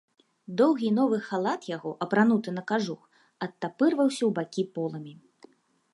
Доўгі і новы халат яго, апрануты на кажух, адтапырваўся ў бакі поламі.